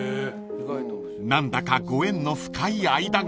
［何だかご縁の深い間柄］